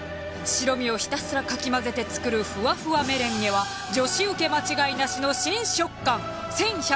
白身をひたすらかき混ぜて作るフワフワメレンゲは女子ウケ間違いなしの新食感。